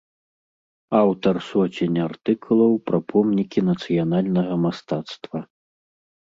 Аўтар соцень артыкулаў пра помнікі нацыянальнага мастацтва.